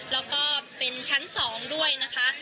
แล้วก็เป็นชั้น๒ด้วยนะคะ